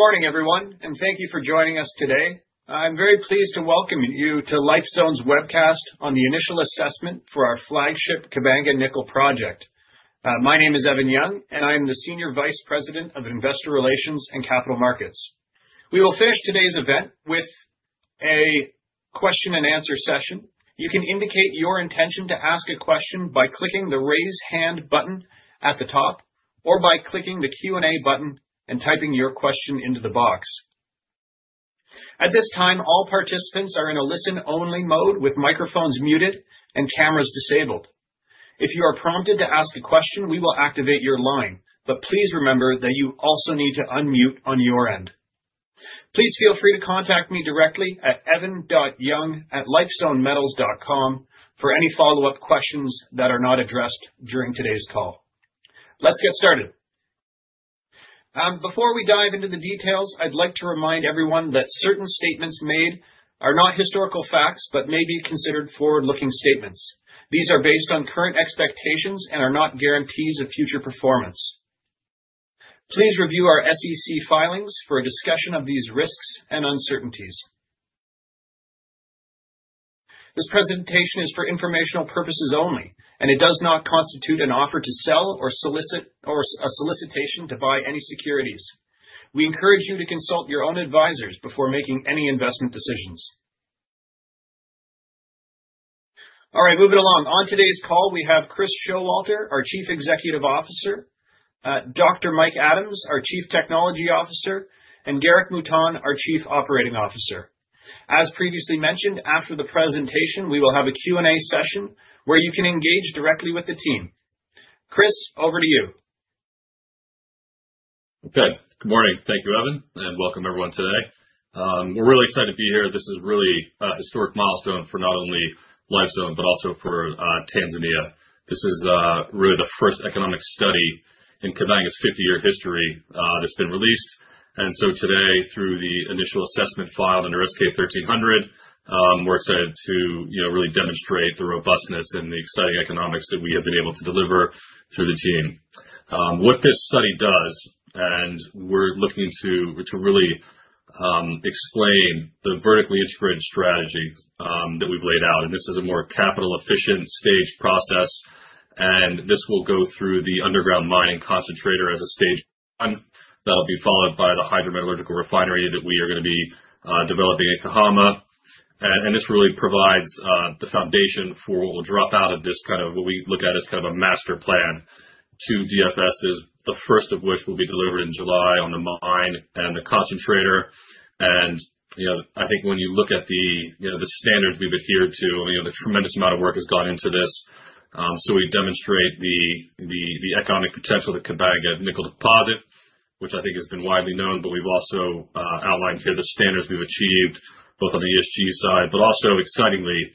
Good morning, everyone, and thank you for joining us today. I'm very pleased to welcome you to Lifezone's webcast on the initial assessment for our flagship Kabanga Nickel project. My name is Evan Young, and I am the Senior Vice President of Investor Relations and Capital Markets. We will finish today's event with a question and answer session. You can indicate your intention to ask a question by clicking the raise hand button at the top or by clicking the Q&A button and typing your question into the box. At this time, all participants are in a listen-only mode with microphones muted and cameras disabled. If you are prompted to ask a question, we will activate your line, but please remember that you also need to unmute on your end. Please feel free to contact me directly at evan.young@lifezonemetals.com for any follow-up questions that are not addressed during today's call. Let's get started. Before we dive into the details, I'd like to remind everyone that certain statements made are not historical facts but may be considered forward-looking statements. These are based on current expectations and are not guarantees of future performance. Please review our SEC filings for a discussion of these risks and uncertainties. This presentation is for informational purposes only, and it does not constitute an offer to sell or a solicitation to buy any securities. We encourage you to consult your own advisors before making any investment decisions. All right, moving along. On today's call, we have Chris Showalter, our Chief Executive Officer, Dr. Mike Adams, our Chief Technology Officer, and Gerick Mouton, our Chief Operating Officer. As previously mentioned, after the presentation, we will have a Q&A session where you can engage directly with the team. Chris, over to you. Okay. Good morning. Thank you, Evan, and welcome everyone today. We're really excited to be here. This is really a historic milestone for not only Lifezone but also for Tanzania. This is really the first economic study in Kabanga's 50-year history that's been released. Today, through the initial assessment filed under SK1300, we're excited to really demonstrate the robustness and the exciting economics that we have been able to deliver through the team. What this study does, we're looking to really explain the vertically integrated strategy that we've laid out, and this is a more capital-efficient staged process. This will go through the underground mining concentrator as a stage one that will be followed by the hydrometallurgical refinery that we are going to be developing in Kahama. This really provides the foundation for what will drop out of this kind of what we look at as kind of a master plan to DFS, the first of which will be delivered in July on the mine and the concentrator. I think when you look at the standards we've adhered to, the tremendous amount of work has gone into this. We demonstrate the economic potential of the Kabanga Nickel Deposit, which I think has been widely known, but we've also outlined here the standards we've achieved both on the ESG side, but also, excitingly,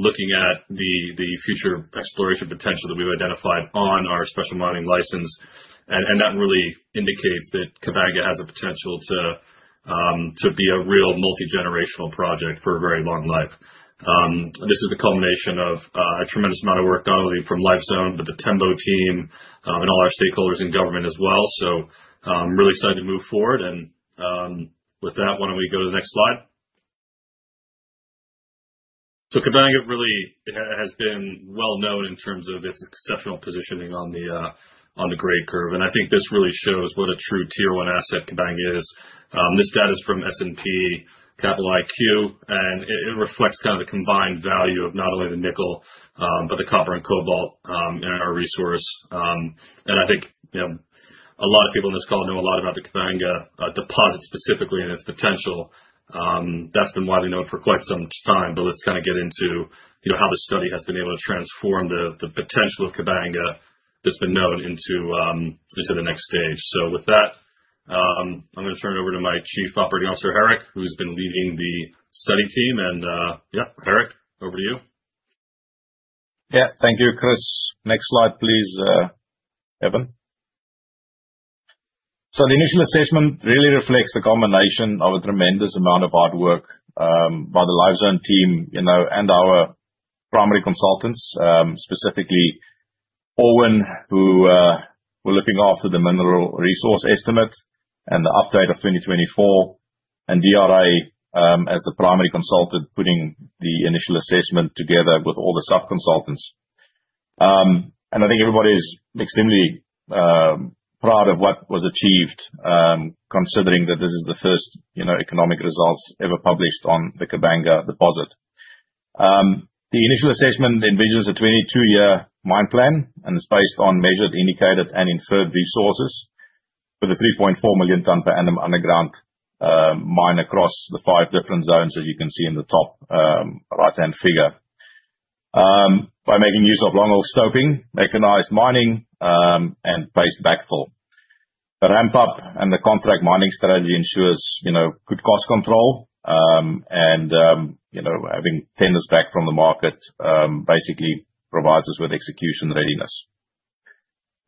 looking at the future exploration potential that we've identified on our special mining license. That really indicates that Kabanga has a potential to be a real multi-generational project for a very long life. This is the culmination of a tremendous amount of work not only from Lifezone but the Tembo Team and all our stakeholders and government as well. I am really excited to move forward. With that, why do we not go to the next slide? Kabanga really has been well known in terms of its exceptional positioning on the grade curve. I think this really shows what a true tier 1 asset Kabanga is. This data is from S&P Capital IQ, and it reflects kind of the combined value of not only the nickel but the copper and cobalt in our resource. I think a lot of people on this call know a lot about the Kabanga Deposit specifically and its potential. That's been widely known for quite some time, but let's kind of get into how the study has been able to transform the potential of Kabanga that's been known into the next stage. With that, I'm going to turn it over to my Chief Operating Officer, Gerick, who's been leading the study team. Yeah, Gerick, over to you. Yeah. Thank you, Chris. Next slide, please, Evan. The initial assessment really reflects the combination of a tremendous amount of hard work by the Lifezone team and our primary consultants, specifically Owen, who was looking after the mineral resource estimate and the update of 2024, and DRA as the primary consultant putting the initial assessment together with all the sub-consultants. I think everybody is extremely proud of what was achieved, considering that this is the first economic results ever published on the Kabanga Deposit. The initial assessment envisions a 22-year mine plan, and it's based on measured, indicated, and inferred resources for the 3.4 million ton per annum underground mine across the five different zones, as you can see in the top right-hand figure, by making use of long-haul stoping, mechanized mining, and paste backfill. The ramp-up and the contract mining strategy ensures good cost control and having tenders back from the market basically provides us with execution readiness.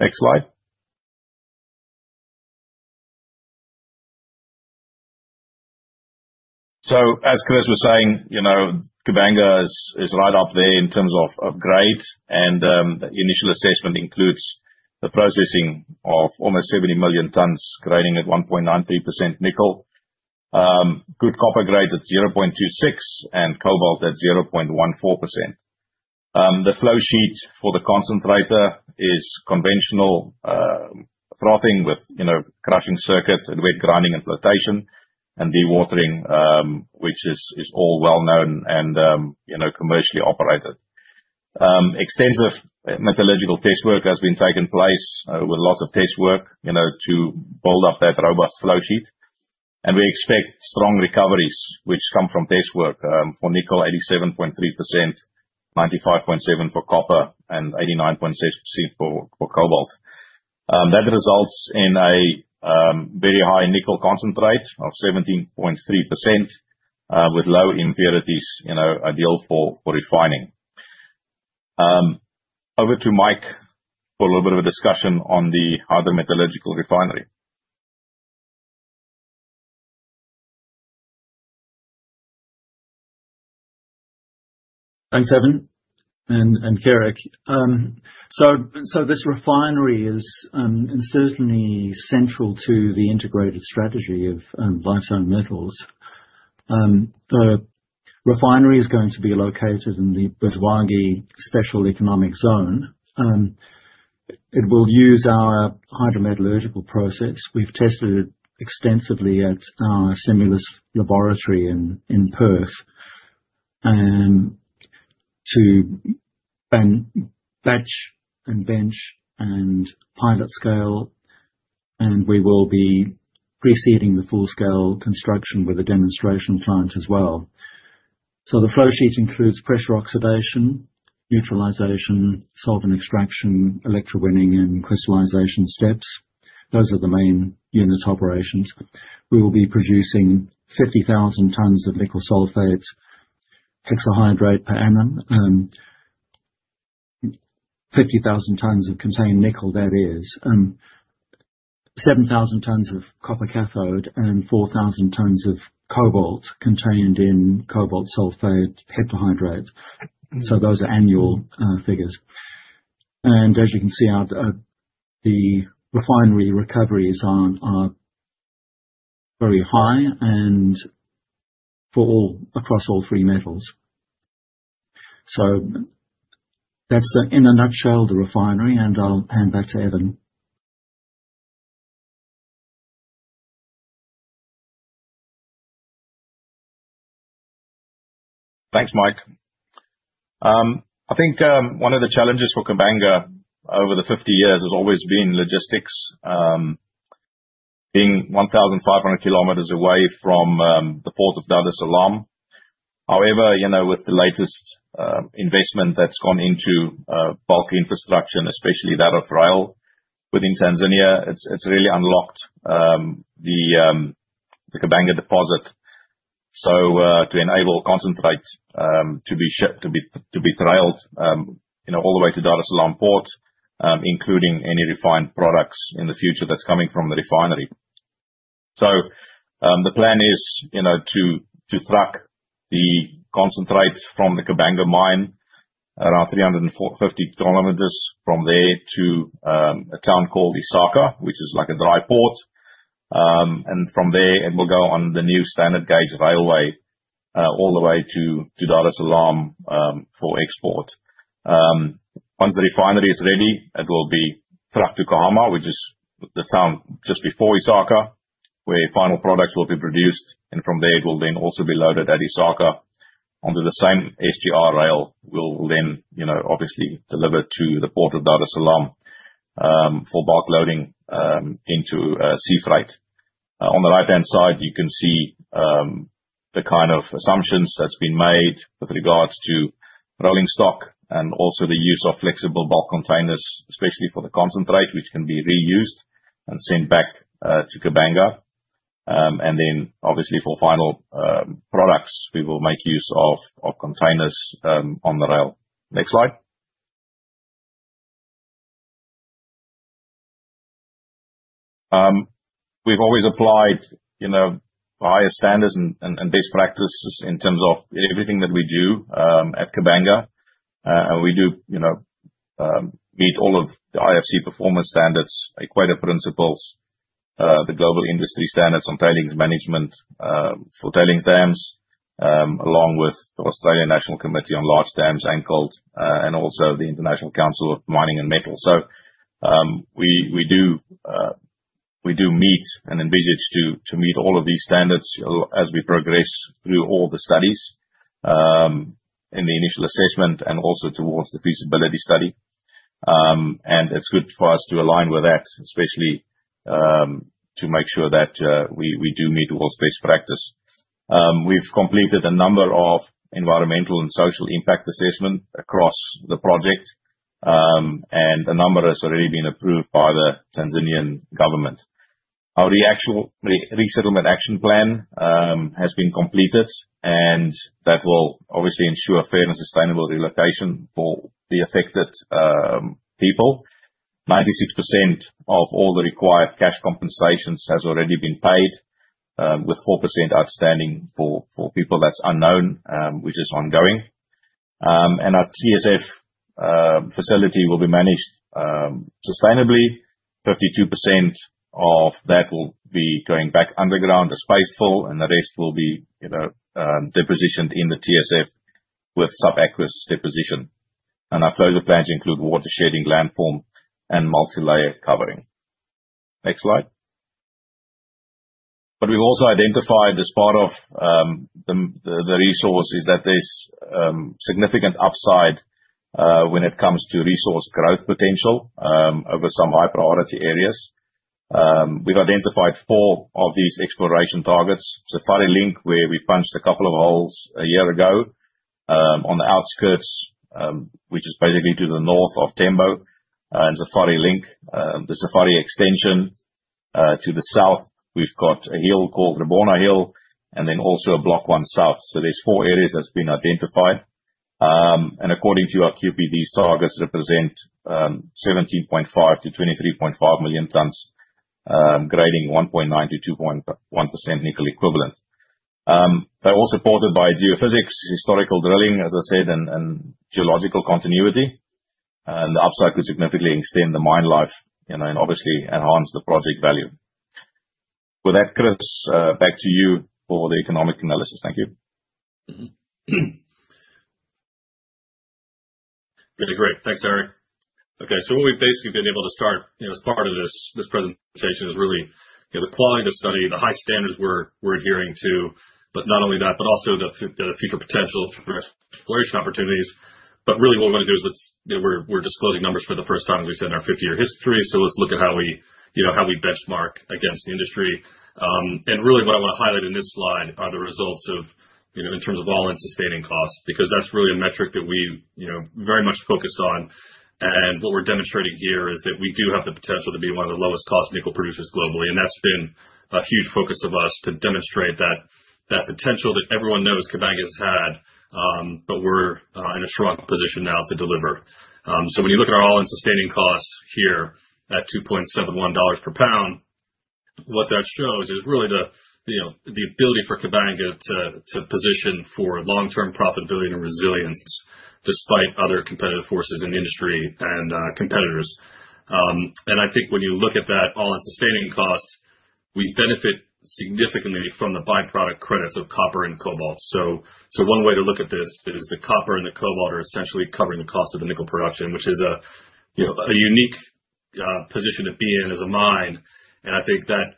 Next slide. As Chris was saying, Kabanga is right up there in terms of grade, and the initial assessment includes the processing of almost 70 million tons grading at 1.93% nickel, good copper grades at 0.26%, and cobalt at 0.14%. The flow sheet for the concentrator is conventional throttling with crushing circuit and wet grinding and flotation and dewatering, which is all well known and commercially operated. Extensive metallurgical test work has been taking place with lots of test work to build up that robust flow sheet. We expect strong recoveries which come from test work for nickel, 87.3%, 95.7% for copper, and 89.6% for cobalt. That results in a very high nickel concentrate of 17.3% with low impurities, ideal for refining. Over to Mike for a little bit of a discussion on the hydrometallurgical refinery. Thanks, Evan, and Gerick. This refinery is certainly central to the integrated strategy of Lifezone Metals. The refinery is going to be located in the Buzwagi Special Economic Zone. It will use our hydrometallurgical process. We've tested it extensively at our Simulus laboratory in Perth to batch and bench and pilot scale, and we will be preceding the full-scale construction with a demonstration plant as well. The flow sheet includes pressure oxidation, neutralization, solvent extraction, electrowinning, and crystallization steps. Those are the main unit operations. We will be producing 50,000 tons of nickel sulfate hexahydrate per annum, 50,000 tons of contained nickel, 7,000 tons of copper cathode, and 4,000 tons of cobalt contained in cobalt sulfate heptahydrate. Those are annual figures. As you can see, the refinery recoveries are very high and across all three metals. That's, in a nutshell, the refinery, and I'll hand back to Evan. Thanks, Mike. I think one of the challenges for Kabanga over the 50 years has always been logistics, being 1,500 kilometers away from the port of Dar es Salaam. However, with the latest investment that's gone into bulk infrastructure, and especially that of rail within Tanzania, it's really unlocked the Kabanga deposit to enable concentrate to be trailed all the way to Dar es Salaam port, including any refined products in the future that's coming from the refinery. The plan is to truck the concentrate from the Kabanga mine, around 350 km from there to a town called Isaka, which is like a dry port. From there, it will go on the new standard gauge railway all the way to Dar es Salaam for export. Once the refinery is ready, it will be trucked to Kahama, which is the town just before Isaka, where final products will be produced. From there, it will then also be loaded at Isaka onto the same SGR rail, which will then obviously deliver to the port of Dar es Salaam for bulk loading into seafreight. On the right-hand side, you can see the kind of assumptions that's been made with regards to rolling stock and also the use of flexible bulk containers, especially for the concentrate, which can be reused and sent back to Kabanga. Obviously, for final products, we will make use of containers on the rail. Next slide. We've always applied higher standards and best practices in terms of everything that we do at Kabanga. We do meet all of the IFC performance standards, Equator Principles, the Global Industry Standard on Tailings Management for tailings dams, along with the Australian National Committee on Large Dams anchored, and also the International Council of Mining and Metals. We do meet and envisage to meet all of these standards as we progress through all the studies in the initial assessment and also towards the feasibility study. It is good for us to align with that, especially to make sure that we do meet world-based practice. We have completed a number of environmental and social impact assessments across the project, and a number has already been approved by the Tanzanian government. Our resettlement action plan has been completed, and that will obviously ensure fair and sustainable relocation for the affected people. 96% of all the required cash compensations has already been paid, with 4% outstanding for people that's unknown, which is ongoing. Our TSF facility will be managed sustainably. 32% of that will be going back underground as waste, and the rest will be depositioned in the TSF with sub-aquiferous deposition. Our closure plans include water shedding, landform, and multi-layer covering. Next slide. We've also identified as part of the resource that there's significant upside when it comes to resource growth potential over some high-priority areas. We've identified four of these exploration targets: Safari Link, where we punched a couple of holes a year ago on the outskirts, which is basically to the north of Tembo, and Safari Link, the Safari extension to the south. We've got a hill called Rubeho Hill and then also a Block One South. So there's four areas that's been identified. According to our QPDs, targets represent 17.5 millions-23.5 million tons, grading 1.9%-2.1% nickel equivalent. They are all supported by geophysics, historical drilling, as I said, and geological continuity. The upside could significantly extend the mine life and obviously enhance the project value. With that, Chris, back to you for the economic analysis. Thank you. Yeah, great. Thanks, Gerick. Okay. What we've basically been able to start as part of this presentation is really the quality of the study, the high standards we're adhering to, but not only that, but also the future potential for exploration opportunities. What we want to do is we're disclosing numbers for the first time, as we said, in our 50-year history. Let's look at how we benchmark against the industry. What I want to highlight in this slide are the results in terms of all-in sustaining costs, because that's really a metric that we very much focused on. What we're demonstrating here is that we do have the potential to be one of the lowest-cost nickel producers globally. That has been a huge focus of us to demonstrate that potential that everyone knows Kabanga has had, but we're in a strong position now to deliver. When you look at our all-in sustaining cost here at $2.71 per pound, what that shows is really the ability for Kabanga to position for long-term profitability and resilience despite other competitive forces in the industry and competitors. I think when you look at that all-in sustaining cost, we benefit significantly from the byproduct credits of copper and cobalt. One way to look at this is the copper and the cobalt are essentially covering the cost of the nickel production, which is a unique position to be in as a mine. I think that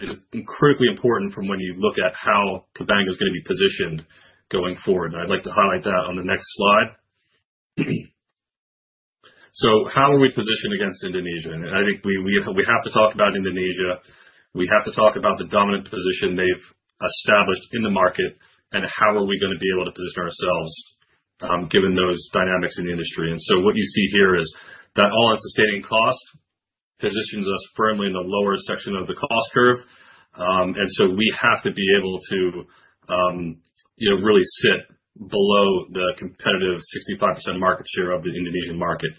is critically important from when you look at how Kabanga is going to be positioned going forward. I'd like to highlight that on the next slide. How are we positioned against Indonesia? I think we have to talk about Indonesia. We have to talk about the dominant position they've established in the market, and how are we going to be able to position ourselves given those dynamics in the industry? What you see here is that all-in sustaining cost positions us firmly in the lower section of the cost curve. We have to be able to really sit below the competitive 65% market share of the Indonesian market.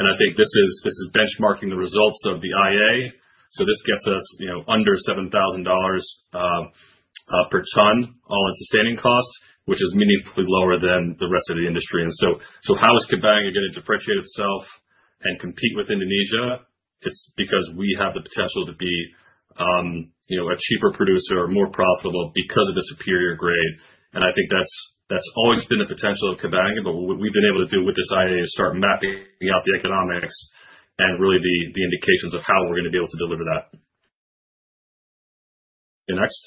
I think this is benchmarking the results of the IA. This gets us under $7,000 per ton all-in sustaining cost, which is meaningfully lower than the rest of the industry. How is Kabanga going to differentiate itself and compete with Indonesia? It's because we have the potential to be a cheaper producer, more profitable because of the superior grade. I think that's always been the potential of Kabanga, but what we've been able to do with this IA is start mapping out the economics and really the indications of how we're going to be able to deliver that. Next.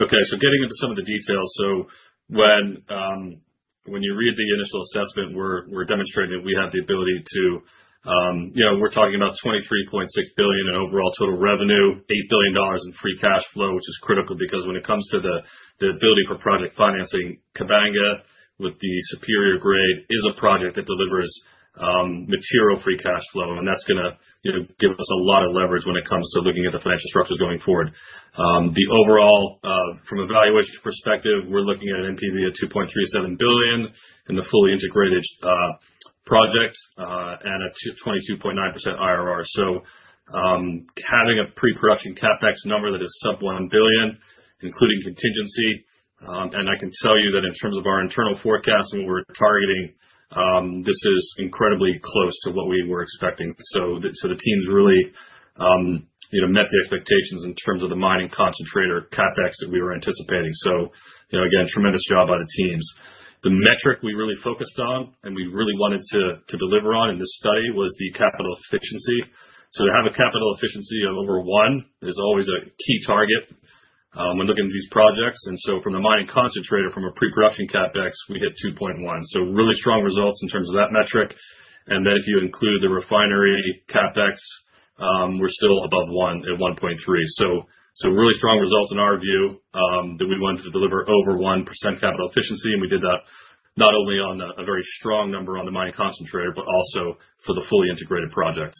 Okay. Getting into some of the details. When you read the initial assessment, we're demonstrating that we have the ability to, we're talking about $23.6 billion in overall total revenue, $8 billion in free cash flow, which is critical because when it comes to the ability for project financing, Kabanga with the superior grade is a project that delivers material free cash flow. That's going to give us a lot of leverage when it comes to looking at the financial structures going forward. The overall, from evaluation perspective, we're looking at an NPV of $2.37 billion in the fully integrated project and a 22.9% IRR. Having a pre-production CapEx number that is sub-$1 billion, including contingency. I can tell you that in terms of our internal forecast and what we're targeting, this is incredibly close to what we were expecting. The teams really met the expectations in terms of the mining concentrator CapEx that we were anticipating. Again, tremendous job by the teams. The metric we really focused on and we really wanted to deliver on in this study was the capital efficiency. To have a capital efficiency of over one is always a key target when looking at these projects. From the mining concentrator, from a pre-production CapEx, we hit 2.1. Really strong results in terms of that metric. If you include the refinery CapEx, we're still above one at $1.3 billion. Really strong results in our view that we wanted to deliver over 1% capital efficiency, and we did that not only on a very strong number on the mining concentrator, but also for the fully integrated project.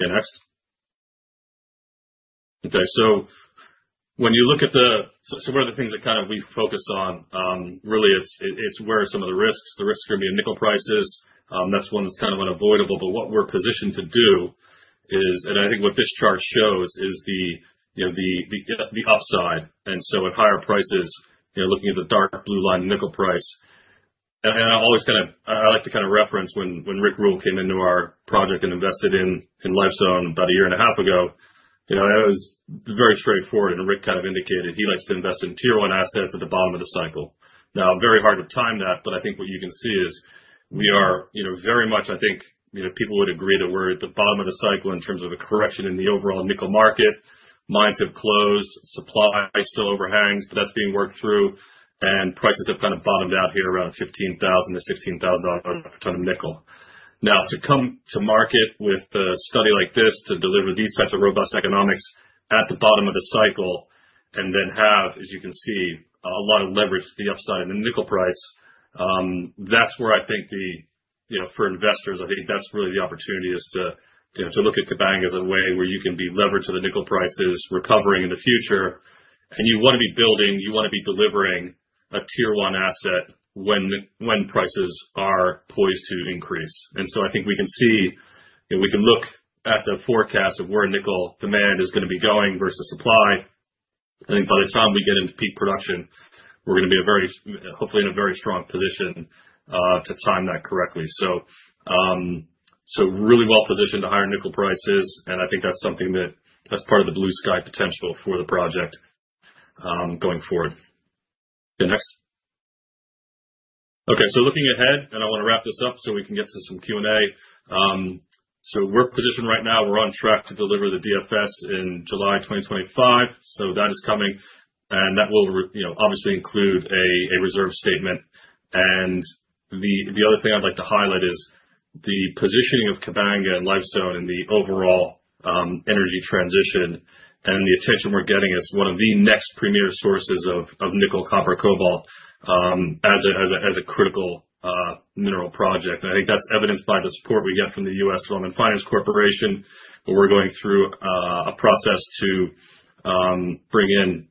Next. When you look at the, so one of the things that we focus on, really, it's where are some of the risks. The risks are going to be in nickel prices. That's one that's kind of unavoidable. What we're positioned to do is, and I think what this chart shows, is the upside. At higher prices, looking at the dark blue line nickel price, and I always kind of I like to kind of reference when Rick Rule came into our project and invested in Lifezone about a year and a half ago, it was very straightforward. Rick kind of indicated he likes to invest in tier 1 assets at the bottom of the cycle. Now, very hard to time that, but I think what you can see is we are very much, I think people would agree that we're at the bottom of the cycle in terms of a correction in the overall nickel market. Mines have closed, supply still overhangs, but that's being worked through. Prices have kind of bottomed out here around $15,000-$16,000 per ton of nickel. Now, to come to market with a study like this to deliver these types of robust economics at the bottom of the cycle and then have, as you can see, a lot of leverage to the upside in the nickel price, that's where I think for investors, I think that's really the opportunity is to look at Kabanga as a way where you can be leveraged to the nickel prices recovering in the future. You want to be building, you want to be delivering a tier 1 asset when prices are poised to increase. I think we can see we can look at the forecast of where nickel demand is going to be going versus supply. I think by the time we get into peak production, we're going to be hopefully in a very strong position to time that correctly. Really well positioned to higher nickel prices. I think that's something that's part of the blue sky potential for the project going forward. Okay, next. Okay. Looking ahead, I want to wrap this up so we can get to some Q&A. We're positioned right now. We're on track to deliver the DFS in July 2025. That is coming. That will obviously include a reserve statement. The other thing I'd like to highlight is the positioning of Kabanga and Lifezone in the overall energy transition. The attention we're getting is as one of the next premier sources of nickel, copper, cobalt as a critical mineral project. I think that's evidenced by the support we get from the U.S. International Finance Corporation. We're going through a process to bring in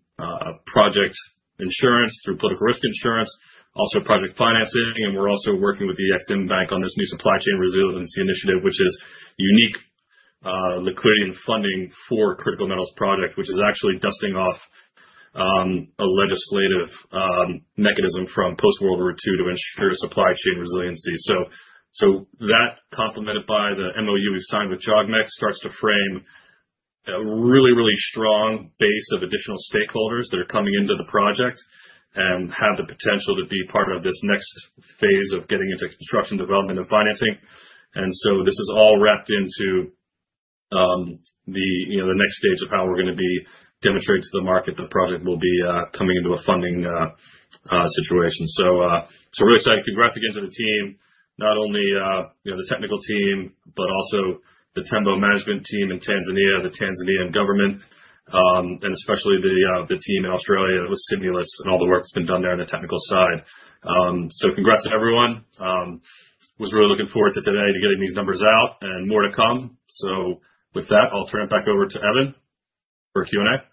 project insurance through political risk insurance, also project financing. We are also working with the Exim Bank on this new supply chain resiliency initiative, which is unique liquidity and funding for critical metals projects, which is actually dusting off a legislative mechanism from post-World War II to ensure supply chain resiliency. That, complemented by the MOU we have signed with JOGMEC, starts to frame a really, really strong base of additional stakeholders that are coming into the project and have the potential to be part of this next phase of getting into construction, development, and financing. This is all wrapped into the next stage of how we are going to be demonstrating to the market that the project will be coming into a funding situation. Really excited. Congrats again to the team, not only the technical team, but also the Tembo management team in Tanzania, the Tanzanian government, and especially the team in Australia that was Simulus and all the work that's been done there on the technical side. Congrats to everyone. I was really looking forward to today to getting these numbers out and more to come. With that, I'll turn it back over to Evan for Q&A.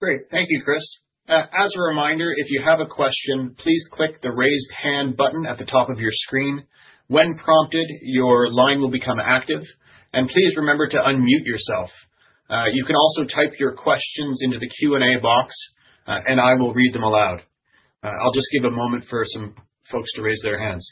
Great. Thank you, Chris. As a reminder, if you have a question, please click the raised hand button at the top of your screen. When prompted, your line will become active. Please remember to unmute yourself. You can also type your questions into the Q&A box, and I will read them aloud. I'll just give a moment for some folks to raise their hands.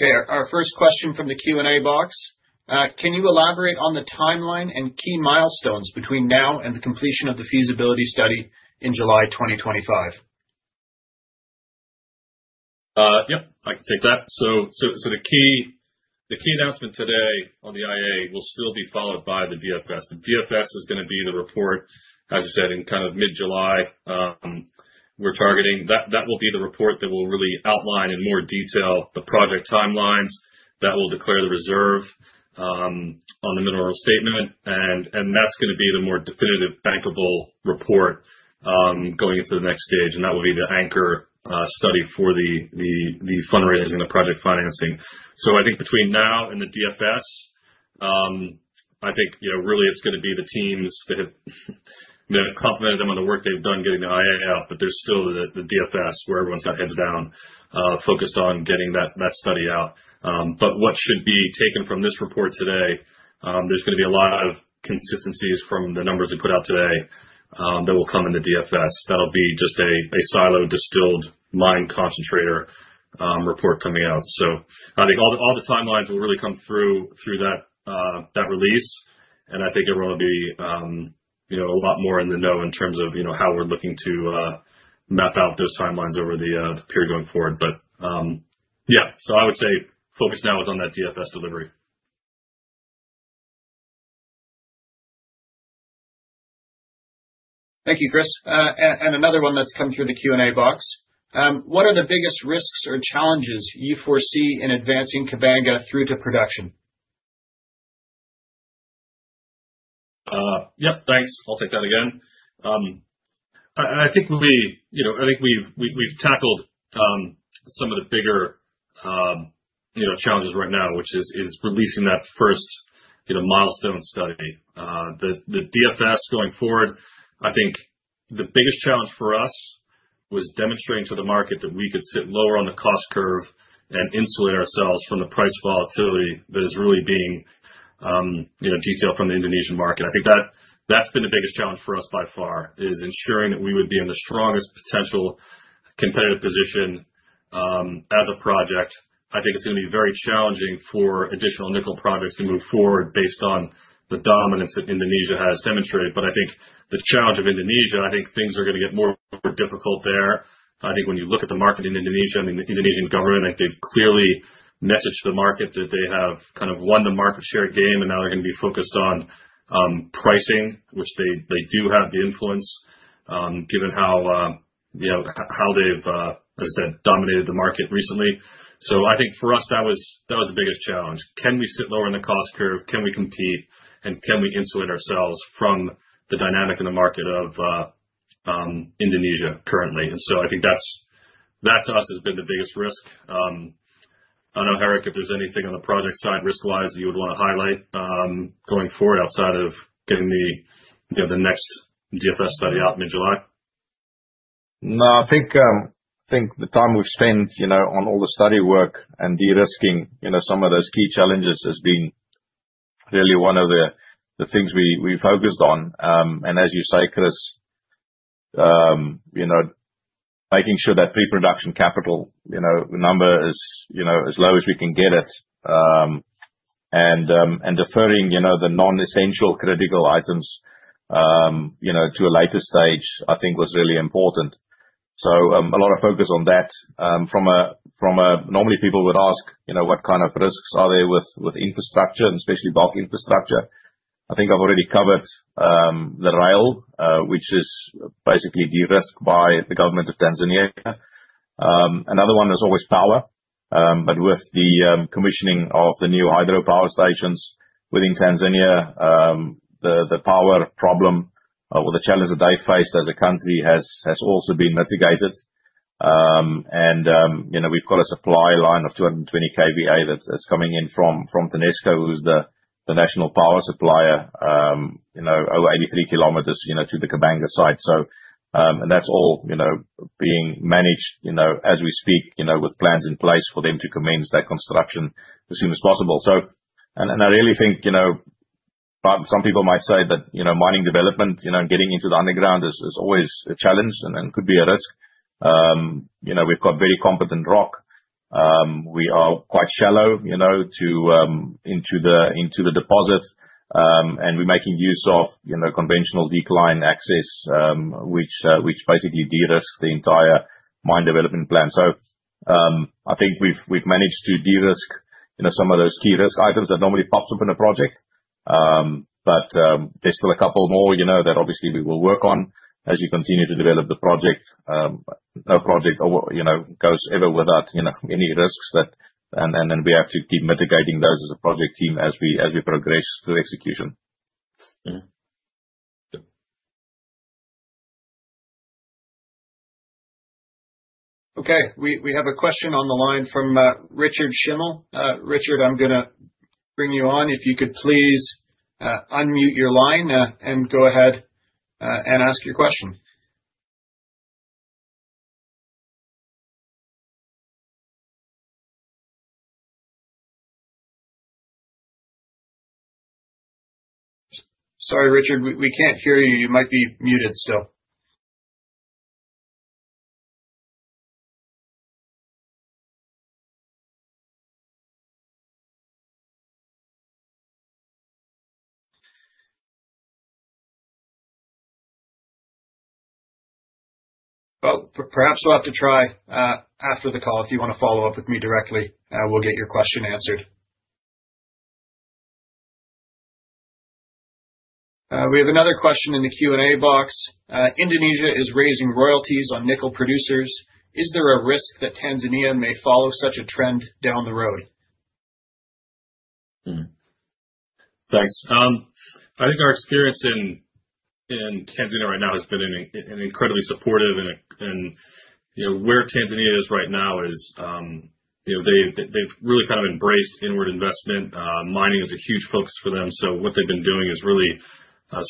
Okay. Our first question from the Q&A box. Can you elaborate on the timeline and key milestones between now and the completion of the feasibility study in July 2025? Yep. I can take that. The key announcement today on the IA will still be followed by the DFS. The DFS is going to be the report, as you said, in kind of mid-July. We're targeting that will be the report that will really outline in more detail the project timelines that will declare the reserve on the mineral statement. That is going to be the more definitive bankable report going into the next stage. That will be the anchor study for the fundraising and the project financing. I think between now and the DFS, really it's going to be the teams that have complemented them on the work they've done getting the IA out, but there's still the DFS where everyone's got heads down focused on getting that study out. What should be taken from this report today, there's going to be a lot of consistencies from the numbers we put out today that will come in the DFS. That'll be just a silo distilled mine concentrator report coming out. I think all the timelines will really come through that release. I think everyone will be a lot more in the know in terms of how we're looking to map out those timelines over the period going forward. Yeah, I would say focus now is on that DFS delivery. Thank you, Chris. Another one that's come through the Q&A box. What are the biggest risks or challenges you foresee in advancing Kabanga through to production? Yep. Thanks. I'll take that again. I think we've tackled some of the bigger challenges right now, which is releasing that first milestone study. The DFS going forward, I think the biggest challenge for us was demonstrating to the market that we could sit lower on the cost curve and insulate ourselves from the price volatility that is really being detailed from the Indonesian market. I think that's been the biggest challenge for us by far, is ensuring that we would be in the strongest potential competitive position as a project. I think it's going to be very challenging for additional nickel projects to move forward based on the dominance that Indonesia has demonstrated. I think the challenge of Indonesia, I think things are going to get more difficult there. I think when you look at the market in Indonesia and the Indonesian government, I think they've clearly messaged the market that they have kind of won the market share game, and now they're going to be focused on pricing, which they do have the influence given how they've, as I said, dominated the market recently. I think for us, that was the biggest challenge. Can we sit lower on the cost curve? Can we compete? Can we insulate ourselves from the dynamic in the market of Indonesia currently? I think that to us has been the biggest risk. I do not know, Gerick, if there's anything on the project side risk-wise that you would want to highlight going forward outside of getting the next DFS study out mid-July? No, I think the time we've spent on all the study work and de-risking some of those key challenges has been really one of the things we focused on. As you say, Chris, making sure that pre-production capital number is as low as we can get it and deferring the non-essential critical items to a later stage, I think, was really important. A lot of focus on that. Normally, people would ask what kind of risks are there with infrastructure, especially bulk infrastructure. I think I've already covered the rail, which is basically de-risked by the government of Tanzania. Another one is always power. With the commissioning of the new hydro power stations within Tanzania, the power problem or the challenge that they faced as a country has also been mitigated. We have a supply line of 220 kVA that is coming in from TENESCO, who is the national power supplier, over 83 km to the Kabanga site. That is all being managed as we speak with plans in place for them to commence that construction as soon as possible. I really think some people might say that mining development and getting into the underground is always a challenge and could be a risk. We have very competent rock. We are quite shallow into the deposit. We are making use of conventional decline access, which basically de-risked the entire mine development plan. I think we have managed to de-risk some of those key risk items that normally pop up in a project. There are still a couple more that obviously we will work on as you continue to develop the project. No project ever goes without any risks. We have to keep mitigating those as a project team as we progress to execution. Okay. We have a question on the line from Richard Schimmel. Richard, I'm going to bring you on. If you could please unmute your line and go ahead and ask your question. Sorry, Richard, we can't hear you. You might be muted still. Perhaps we'll have to try after the call. If you want to follow up with me directly, we'll get your question answered. We have another question in the Q&A box. Indonesia is raising royalties on nickel producers. Is there a risk that Tanzania may follow such a trend down the road? Thanks. I think our experience in Tanzania right now has been incredibly supportive. Where Tanzania is right now is they've really kind of embraced inward investment. Mining is a huge focus for them. What they've been doing is really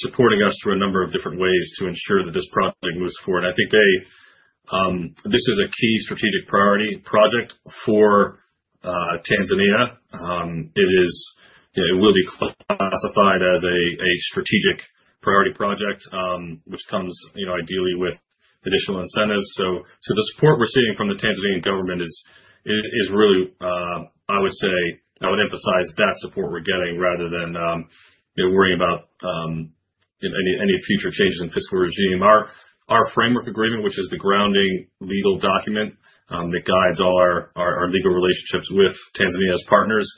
supporting us through a number of different ways to ensure that this project moves forward. I think this is a key strategic priority project for Tanzania. It will be classified as a strategic priority project, which comes ideally with additional incentives. The support we're seeing from the Tanzanian government is really, I would say, I would emphasize that support we're getting rather than worrying about any future changes in fiscal regime. Our framework agreement, which is the grounding legal document that guides all our legal relationships with Tanzania's partners,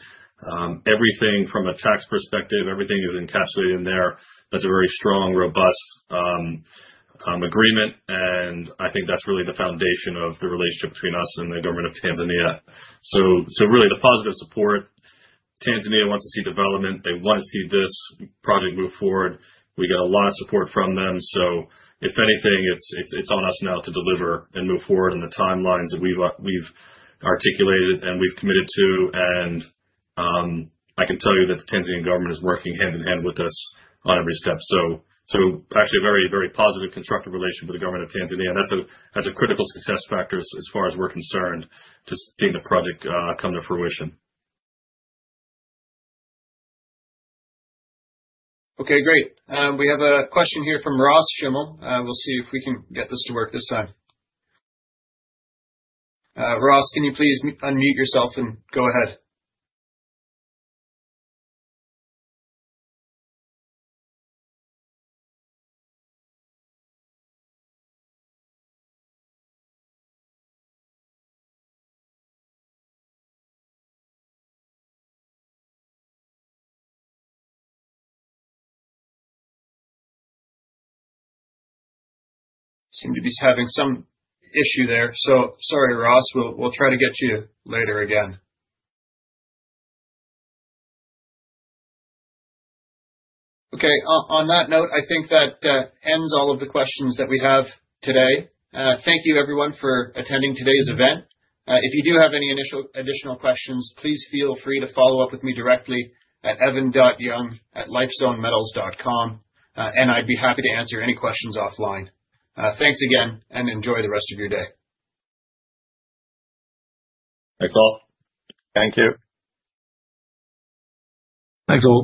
everything from a tax perspective, everything is encapsulated in there. That's a very strong, robust agreement. I think that's really the foundation of the relationship between us and the government of Tanzania. Really, the positive support, Tanzania wants to see development. They want to see this project move forward. We got a lot of support from them. If anything, it's on us now to deliver and move forward in the timelines that we've articulated and we've committed to. I can tell you that the Tanzanian government is working hand in hand with us on every step. Actually, a very, very positive, constructive relationship with the government of Tanzania. That's a critical success factor as far as we're concerned to see the project come to fruition. Okay, great. We have a question here from Ross Schimmel. We'll see if we can get this to work this time. Ross, can you please unmute yourself and go ahead? Seem to be having some issue there. Sorry, Ross. We'll try to get you later again. On that note, I think that ends all of the questions that we have today. Thank you, everyone, for attending today's event. If you do have any additional questions, please feel free to follow up with me directly at evan.young@lifezonemetals.com. I'd be happy to answer any questions offline. Thanks again, and enjoy the rest of your day. Thanks a lot. Thank you. Thanks all.